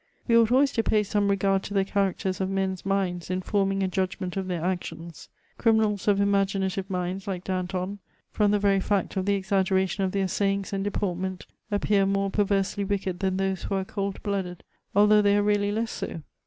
We ought always to pay some regard to the characters of men's minds in forming a judgment of their actions. Criminals of imaginative minds Hke Danton, from the very fact of the exaggeration of their sayings and deportment, appear more perversely wicked than those who are cold blooded, although they are really less BO.